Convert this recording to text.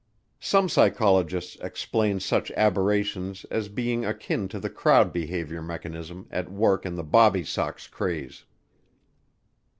Some psychologists explain such aberrations as being akin to the crowd behavior mechanism at work in the "bobby sox craze."